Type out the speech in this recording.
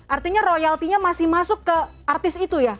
artinya royaltinya masih masuk ke artis itu ya